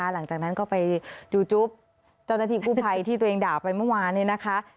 หลังจากนั้นก็ไปจู๊บจบนาทีกู้ภัยที่ตัวเองด่าไปเมื่อวาน